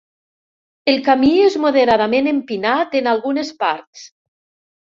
El camí és moderadament empinat en algunes parts.